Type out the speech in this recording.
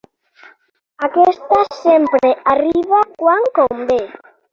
Aquesta sempre arriba quan convé.